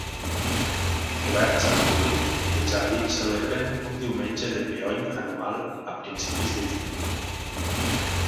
Oberts al públic, els jardins celebren un Diumenge de Peony anual a principis de juny.